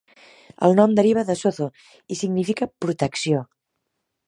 El nom deriva de Sotho i significa "protecció".